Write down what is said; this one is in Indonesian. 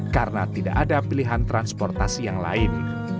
karena tidak ada pilihan transportasi yang lain